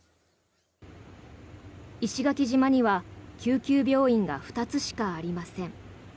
石垣島には救急病院が２つしかありません。